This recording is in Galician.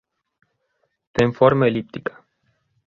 Ten forma elíptica.